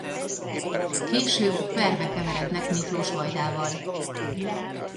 Később perbe keverednek Miklós vajdával.